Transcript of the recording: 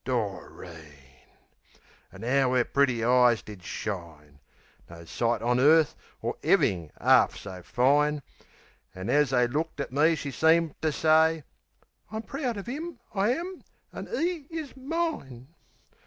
Doreen! Ar 'ow 'er pretty eyes did shine. No sight on earth or 'Eaving's 'arf so fine, An' as they looked at me she seemed to say "I'm proud of 'im, I am, an' 'e is mine."